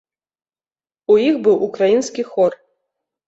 У іх быў украінскі хор.